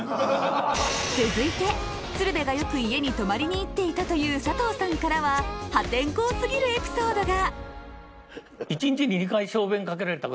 続いて鶴瓶がよく家に泊まりに行っていたという佐藤さんからは破天荒すぎるエピソードが。